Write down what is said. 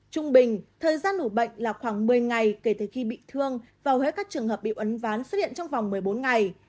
trung bình thời gian ủ bệnh là khoảng một mươi ngày kể từ khi bị thương vào hết các trường hợp bị ấn ván xuất hiện trong vòng một mươi bốn ngày